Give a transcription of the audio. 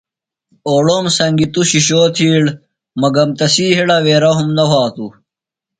اوڑوم سنگیۡ تُوۡ شِشو تِھیڑ مگم تسی ہڑہ وے رحم نہ وھاتوۡ۔